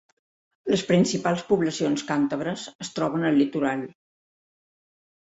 Les principals poblacions càntabres es troben al litoral.